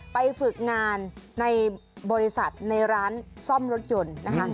ไปฝึกงานในบริษัทในร้านซ่อมรถยนต์นะคะ